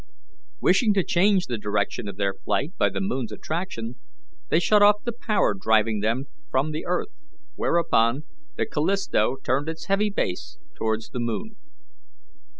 Wishing to change the direction of their flight by the moon's attraction, they shut off the power driving them from the earth, whereupon the Callisto turned its heavy base towards the moon.